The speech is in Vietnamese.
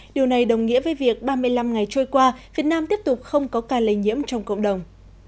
điều này đồng nghĩa với việc ba mươi năm ngày trôi qua việt nam tiếp tục không có ca lây nhiễm trong cộng đồng